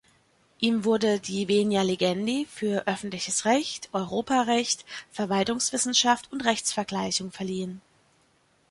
Ihm wurde die venia legendi für Öffentliches Recht, Europarecht, Verwaltungswissenschaft und Rechtsvergleichung verliehen.